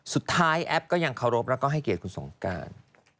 แอปก็ยังเคารพแล้วก็ให้เกียรติคุณสงการ